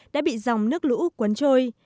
đã bị dòng nước lũ quấn trôi